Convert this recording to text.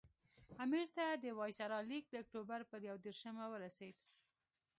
امیر ته د وایسرا لیک د اکټوبر پر یو دېرشمه ورسېد.